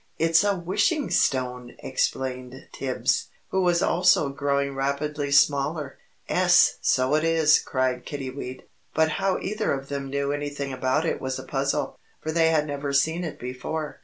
"It's a Wishing Stone!" explained Tibbs, who was also growing rapidly smaller. "'Es, so it is," cried Kiddiwee. But how either of them knew anything about it was a puzzle, for they had never seen it before.